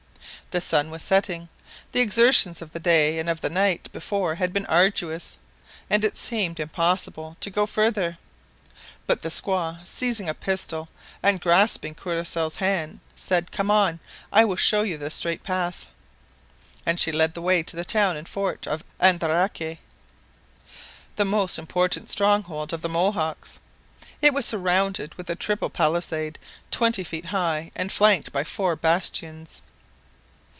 The sun was setting; the exertions of the day and of the night before had been arduous, and it seemed impossible to go farther. But the squaw, seizing a pistol and grasping Courcelle's hand, said, 'Come on, I will show you the straight path.' And she led the way to the town and fort of Andaraque, the most important stronghold of the Mohawks. It was surrounded with a triple palisade twenty feet high and flanked by four bastions.